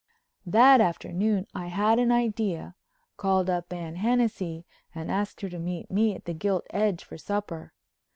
That afternoon I had an idea, called up Anne Hennessey and asked her to meet me at the Gilt Edge for supper.